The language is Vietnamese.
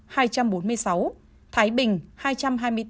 thái bình hai trăm hai mươi bốn